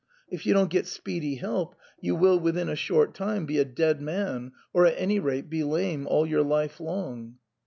If you don't get speedy help you will within a short time be a dead man, or at any rate be lame all your life long."